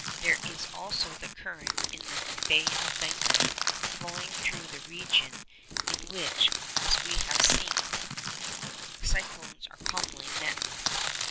There is also the current in the Bay of Bengal, flowing through the region in which, as we have seen, cyclones are commonly met with.